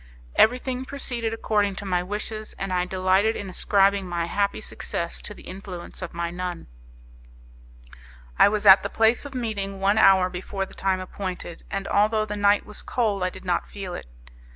Everything proceeded according to my wishes, and I delighted in ascribing my happy success to the influence of my nun. I was at the place of meeting one hour before the time appointed, and although the night was cold I did not feel it.